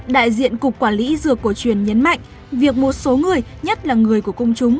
đại diện cục quản lý dược cổ truyền nhấn mạnh việc một số người nhất là người của công chúng